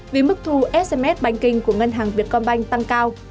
vì mức thu sms banking của ngân hàng vietcombank tăng cao